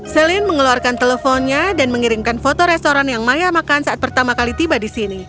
celine mengeluarkan teleponnya dan mengirimkan foto restoran yang maya makan saat pertama kali tiba di sini